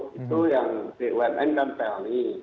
itu yang tumn kan pelni